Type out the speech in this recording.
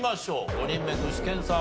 ５人目具志堅さん